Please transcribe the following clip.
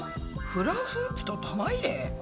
フラフープと玉入れ？